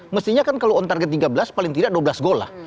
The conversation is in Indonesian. mestinya kan kalau on target tiga belas paling tidak dua belas gol lah